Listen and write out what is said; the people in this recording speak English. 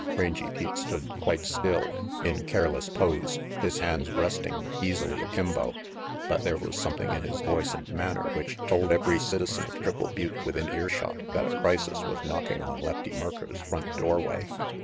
Rangy Pete stood quite still, in careless pose, 44 RANGY PETE his hands resting easily akimbo, but there was some thing in his voice and manner which told every citizen of Triple Butte within earshot that a crisis was knocking on Lefty Merker's front doorway.